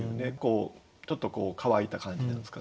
ちょっとこう乾いた感じなんですかね。